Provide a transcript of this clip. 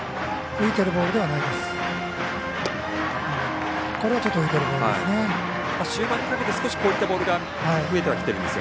浮いているボールではないです。